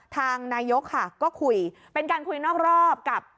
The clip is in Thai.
ทางนายกค่ะก็คุยเป็นการคุยนอกรอบกับ